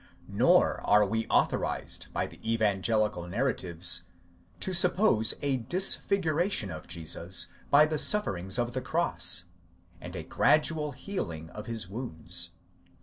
Nor are we authorized by the evangelical narratives to suppose a disfiguration of Jesus by the sufferings of the cross, and a gradual healing of his wounds.